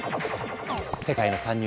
世界の参入